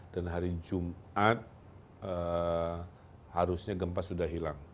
dan hari jumat harusnya gempa sudah hilang